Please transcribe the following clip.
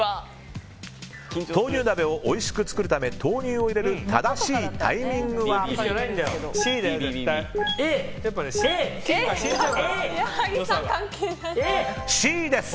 豆乳鍋をおいしく作るため豆乳を入れる正しいタイミングはＣです！